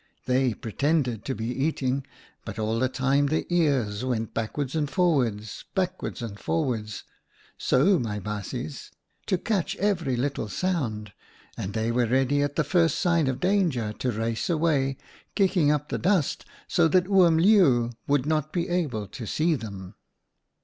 They pretended to be eating, but all the time their ears went backwards and for wards, backwards and forwards — so, my baasjes, — to catch every little sound, and they were ready at the first sign of danger to race away, kicking up the dust so that Oom Leeuw would not be able to see them.